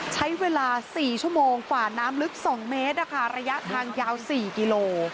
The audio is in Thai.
ใช้เวลา๔ชั่วโมงฝ่าน้ำลึก๒เมตรระยะทางยาว๔กิโล